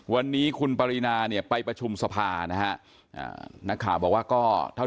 วันนี้คุณปรินาเนี่ยไปประชุมสภานะฮะนักข่าวบอกว่าก็เท่า